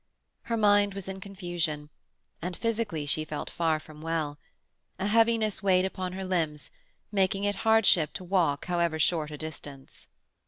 Her mind was in confusion, and physically she felt far from well. A heaviness weighed upon her limbs, making it hardship to walk however short a distance.